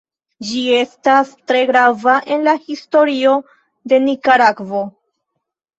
Ĝi estas tre grava en la historio de Nikaragvo.